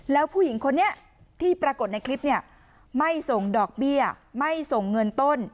แล้วผู้หญิงคนนี้ที่ปรากฏในคลิปเนี่ยไม่ส่งดอกเบี้ยไม่ส่งเงินต้น